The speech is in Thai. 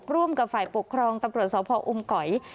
ร่วมกับฝ่ายปกครองตำรวจสพออุมก๋อย